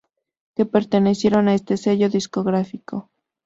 Que pertenecieron a este sello discográfico.